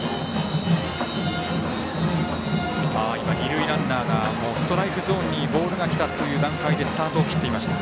二塁ランナーがストライクゾーンにボールがきたという段階でスタートを切っていました。